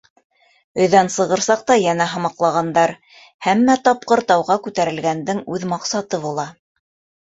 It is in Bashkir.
Өйҙән сығыр саҡта йәнә һамаҡлағандар: Һәммә тапҡыр тауға күтәрелгәндең үҙ маҡсаты була.